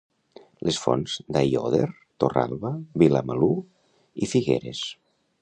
les Fonts d'Aiòder, Torralba, Vilamalur i Figueres.